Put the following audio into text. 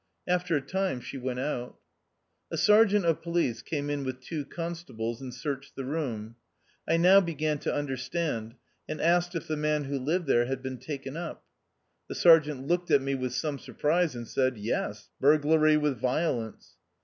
After a time she went out. A sergeant of police came in with two constables, and searched the room. I now began to understand, and asked if the man who lived there had been taken up. The sergeant looked at me with some surprise and said, " Yes ; burglary with violence."